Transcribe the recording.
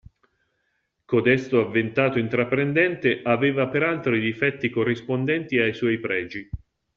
Codesto avventato intraprendente aveva per altro i difetti corrispondenti ai suoi pregi.